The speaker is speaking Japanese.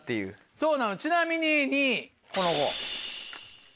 そうなのちなみに２位この子。